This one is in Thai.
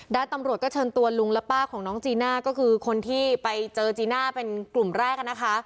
ด้านตำรวจก็เชิญตัวลุงและป้าของน้องจีน่าก็คือคนที่ไปเจอจีน่าเป็นกลุ่มแรกนะคะ